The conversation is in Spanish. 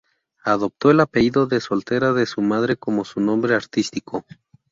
Adoptó el apellido de soltera de su madre como su nombre artístico.